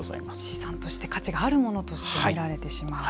資産として価値があるものとして見られてしまう。